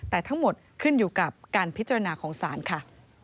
แต่ทั้งหมดขึ้นอยู่กับการพิจารณาของศาลค่ะ